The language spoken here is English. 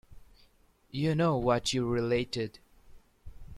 You know what you related.